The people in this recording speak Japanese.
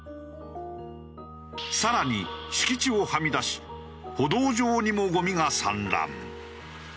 さらに敷地をはみ出し歩道上にもゴミが散乱。